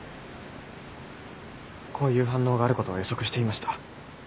こういう反応があることは予測していました。